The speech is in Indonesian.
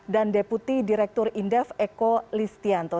dan deputi direktur indef eko listianto